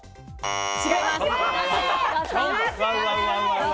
違います。